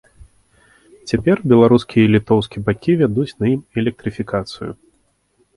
Цяпер беларускі й літоўскі бакі вядуць на ім электрыфікацыю.